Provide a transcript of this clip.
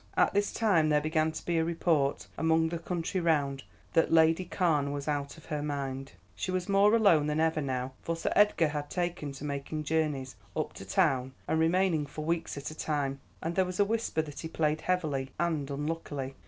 At this time there began to be a report among the country round that Lady Carne was out of her mind. "She was more alone than ever now, for Sir Edgar had taken to making journeys up to town and remaining for weeks at a time, and there was a whisper that he played heavily and unluckily.